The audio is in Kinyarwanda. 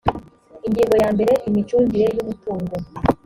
ingingo ya mbere imicungire y umutungo